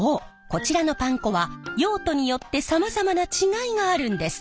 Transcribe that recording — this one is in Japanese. こちらのパン粉は用途によってさまざまな違いがあるんです。